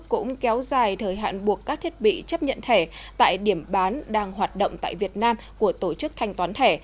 các ngân hàng nhà nước cũng kéo dài thời hạn buộc các thiết bị chấp nhận thẻ tại điểm bán đang hoạt động tại việt nam của tổ chức thanh toán thẻ